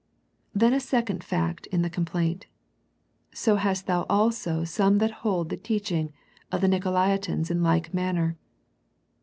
Then a second fact in the complaint, " So hast thou also some that hold the teaching of the Nicolaitans in like manner."